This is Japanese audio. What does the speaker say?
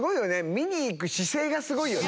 見にいく姿勢がすごい！